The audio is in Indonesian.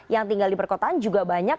yang tinggal di perkotaan juga banyak